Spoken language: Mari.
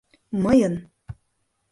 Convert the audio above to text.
— Мыйын!